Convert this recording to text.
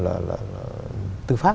cơ quan hàng thu hợp